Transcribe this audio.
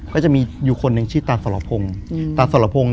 ก็จะมีอยู่คนหนึ่งชื่อตาสรพง